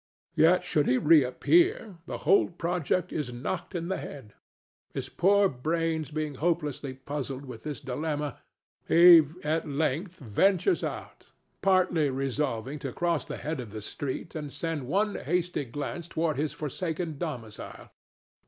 Yet should he reappear, the whole project is knocked in the head. His poor brains being hopelessly puzzled with this dilemma, he at length ventures out, partly resolving to cross the head of the street and send one hasty glance toward his forsaken domicile.